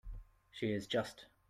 She is just.